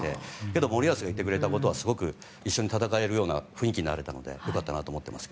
けど森保がいてくれたことは一緒に戦えるような雰囲気になれたので良かったなと思います。